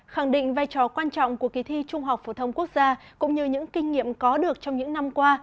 khẳng định vai trò quan trọng của kỳ thi trung học phổ thông quốc gia cũng như những kinh nghiệm có được trong những năm qua